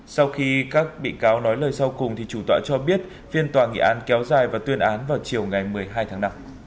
sau khi các bị cáo nói lời sau cùng chủ tọa cho biết phiên tòa nghị án kéo dài và tuyên án vào chiều ngày một mươi hai tháng năm